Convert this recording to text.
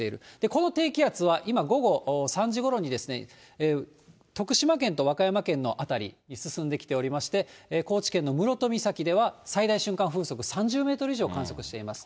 この低気圧は今、午後３時ごろに、徳島県と和歌山県の辺りに進んできておりまして、高知県の室戸岬では、最大瞬間風速３０メートル以上を観測しています。